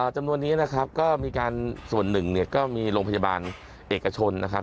จำนวนนี้นะครับก็มีการส่วนหนึ่งเนี่ยก็มีโรงพยาบาลเอกชนนะครับ